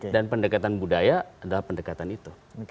dan pendekatan budaya adalah pendekatan itu